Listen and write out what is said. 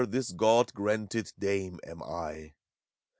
This Gk>d granted Dame, am I.